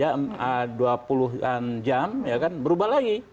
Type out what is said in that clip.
ya dua puluh an jam ya kan berubah lagi